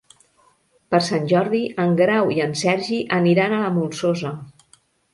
Per Sant Jordi en Grau i en Sergi aniran a la Molsosa.